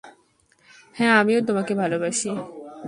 হ্যাঁ, আমিও তোমাকে ভালবাসি।